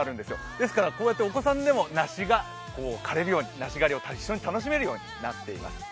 ですからお子さんでも梨が狩れるように梨狩りを一緒に楽しめるようになっています。